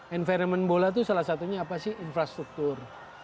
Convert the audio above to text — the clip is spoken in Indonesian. environment bola itu salah satunya apa sih infrastruktur